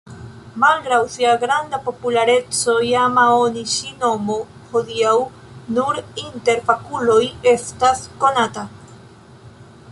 Malgraŭ ŝia granda populareco iama oni ŝi nomo hodiaŭ nur inter fakuloj estas konata.